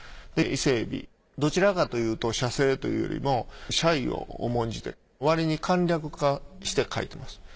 伊勢海老どちらかというと写生というよりも写意を重んじてわりに簡略化して描いてます。